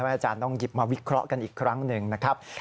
อาจารย์ต้องหยิบมาวิเคราะห์กันอีกครั้งหนึ่งนะครับ